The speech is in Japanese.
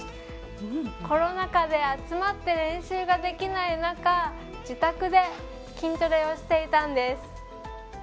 コロナ禍で集まって練習ができない中自宅で筋トレをしていたんです。